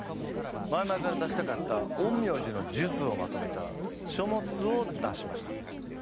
前々から出したかった陰陽師の術をまとめた書物を出しました。